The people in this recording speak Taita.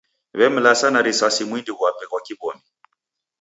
W'emlasa na risasi mwindi ghwape ghwa kiw'omi.